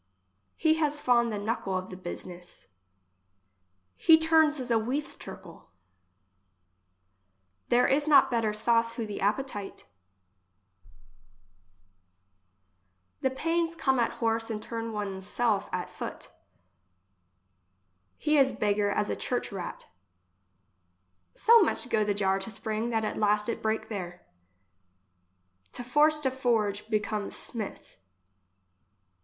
He has fond the knuckle of the business. He turns as a wcath turcocl. There is not better sauce who the appetite. 6o English as she is spoke. ,. The pains come at horse and turn one's self at foot. He is beggar as a church rat So much go the jar to spring that at last it break there. To force to forge, becomes smith.